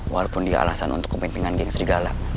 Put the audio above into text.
walaupun dia alasan untuk kepemimpinan geng serigala